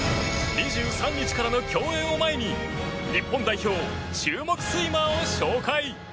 ２３日からの競泳を前に日本代表注目スイマーを紹介。